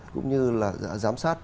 cũng như là giám sát